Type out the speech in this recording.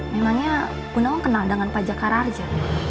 memangnya bu nawang kenal dengan pak jakar harja